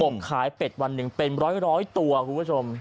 ขายเป็ดวันหนึ่งเป็นร้อยตัวคุณผู้ชม